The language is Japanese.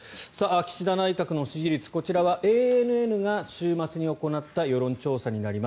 岸田内閣の支持率こちらはＡＮＮが週末に行った調査です。